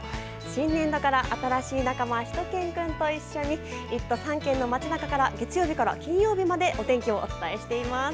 新年度から、新しい仲間しゅと犬くんと一緒に１都３県の街中から月曜日から金曜日までお天気をお伝えしています。